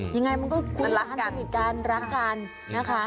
ยังไงมันก็คุยกันรักกันรักกันนะคะ